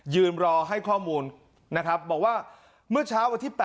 ยืนรอให้ข้อมูลนะครับบอกว่าเมื่อเช้าวันที่๘